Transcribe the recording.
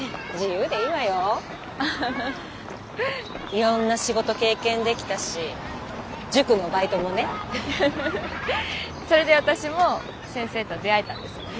いろんな仕事経験できたし塾のバイトもね。それで私も先生と出会えたんですもんね。